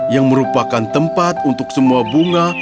yang merupakan tempat untuk semua bunga